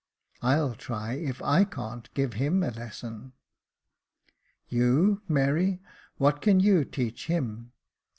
I'll try if / can't give him a lesson." " You, Mary, what can you teach him